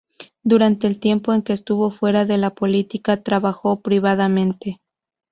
Durante el tiempo en que estuvo fuera de la política, trabajo privadamente.